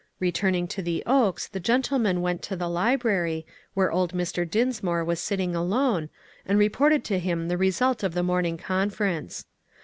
Returning to the Oaks, the gentlemen went to the library, where old Mr. Dinsmore was sitting alone, and reported to him the result of the morning conference.